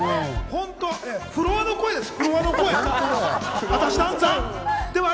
本当フロアの声です。